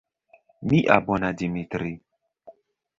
Mia bona Dimitri!